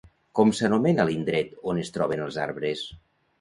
Com s'anomena l'indret on es troben els arbres?